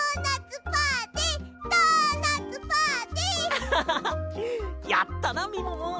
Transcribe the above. アハハハやったなみもも。